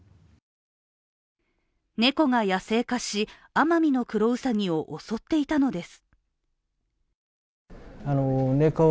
猫が野生化し、アマミノクロウサギを襲っていたのです。